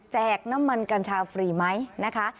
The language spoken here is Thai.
น้ำมันกัญชาฟรีไหมนะคะ